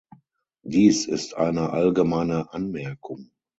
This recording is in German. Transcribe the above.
Dies ist eine allgemeine Anmerkung.